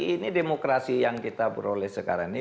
ini demokrasi yang kita peroleh sekarang ini